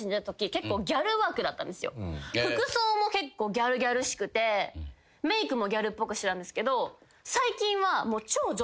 服装も結構ギャルギャルしくてメークもギャルっぽくしてたんですけど。